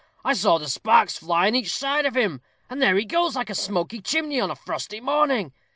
I saw the sparks fly on each side of him, and there he goes like a smoky chimney on a frosty morning!